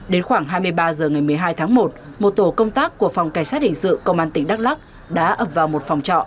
đến khoảng hai mươi ba h ngày một mươi hai tháng một một tổ công tác của phòng cảnh sát hình sự công an tỉnh đắk lắc đã ập vào một phòng trọ